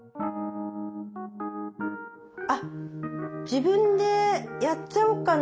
あっ自分でやっちゃおうかな。